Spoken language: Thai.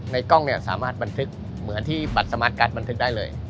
กล้องเนี่ยสามารถบันทึกเหมือนที่บัตรสมาร์ทการ์ดบันทึกได้เลย